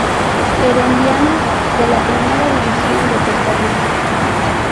Herediano de la Primera División de Costa Rica.